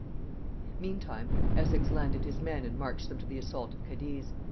Meantime, Essex landed his men and marched them to the assault of Cadiz.